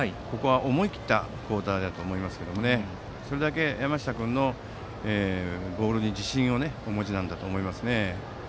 思い切った交代だと思いますがそれだけ山下君のボールに自信をお持ちなんだと思います。